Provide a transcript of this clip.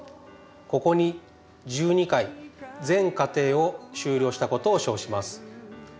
ここに１２回全課程を修了したことを証します